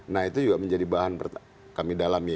nah itu juga menjadi bahan kami dalami